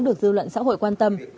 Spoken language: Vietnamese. được dư luận xã hội quan tâm